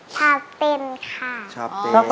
ชอบเป็นค่ะ